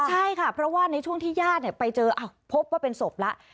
ใช่ค่ะเพราะว่าในช่วงที่ญาติไปเจอพบว่าเป็นศพแล้ว